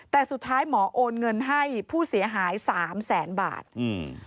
แต่สุดท้ายหมอโอนเงินให้ผู้เสียหายสามแสนบาทอืม